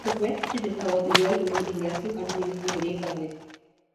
The quest to discover the real rural India still continues in great earnest.